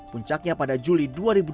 puncaknya pada juli dua ribu dua puluh